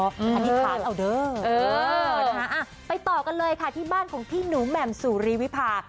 อันนี้ค้านเอาเด้อไปต่อกันเลยค่ะที่บ้านของพี่หนูแหม่มสุรีวิพา